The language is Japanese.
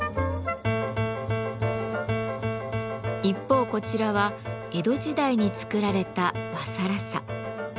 一方こちらは江戸時代に作られた和更紗。